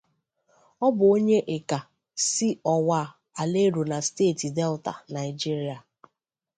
Ọ bụ onye Ika si Owa-Alero na Steeti Delta, Naijiria.